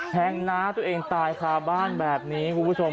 น้าตัวเองตายคาบ้านแบบนี้คุณผู้ชม